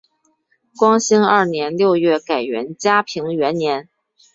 光兴二年六月改元嘉平元年。